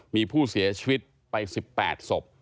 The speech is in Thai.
มีผู้เสียชีวิตไป๑๘ศพ